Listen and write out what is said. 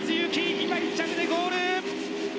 今、１着でゴール。